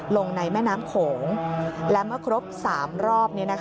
ลงในแม่น้ำโขงและเมื่อครบ๓รอบ